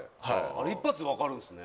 あの１発で分かるんですね。